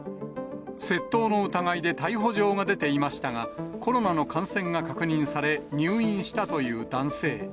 窃盗の疑いで逮捕状が出ていましたが、コロナの感染が確認され、入院したという男性。